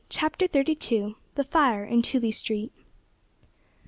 CHAPTER THIRTY TWO. THE FIRE IN TOOLEY STREET.